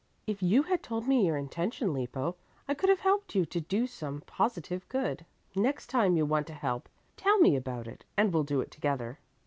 If you had told me your intention, Lippo, I could have helped you to do some positive good. Next time you want to help, tell me about it, and we'll do it together."